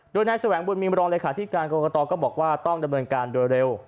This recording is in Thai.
ด้วยนายแสวงบุญมีบรรลองราคาธิตการกรกตก็บอกว่าต้องดำเนินการเร็ว